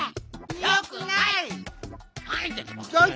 よくない！